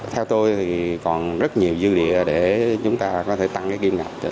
theo tôi thì còn rất nhiều dư địa để chúng ta có thể tăng cái kiêm ngạch